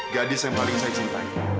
gadis yang paling saya cintai